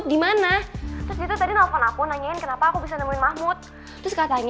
tapi bagaimanaffectnya sih pria yang udah nge telusi sama saya kali jujur fathers aika ni